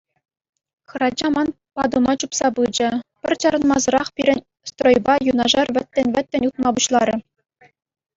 Хӗрача ман патӑма чупса пычӗ, пӗр чарӑнмасӑрах пирӗн стройпа юнашар вӗттен-вӗттӗн утма пуҫларӗ.